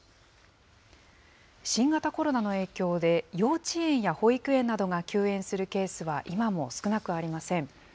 新型コロナの影響で、幼稚園や保育園などが休園するケースは今も少なくありません。